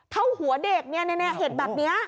เท่าหัวเด็กเห็นแบบนี้